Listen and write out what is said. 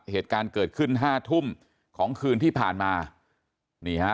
เหตุการณ์เกิดขึ้นห้าทุ่มของคืนที่ผ่านมานี่ฮะ